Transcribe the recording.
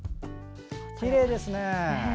きれいですね。